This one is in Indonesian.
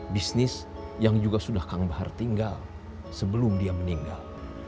bisnis yang juga sudah kang bahar tinggal sebelum dia meninggal